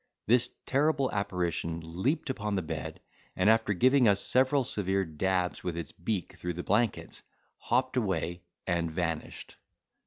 This terrible apparition leaped upon the bed, and after giving us several severe dabs with its beak through the blankets, hopped away, and vanished.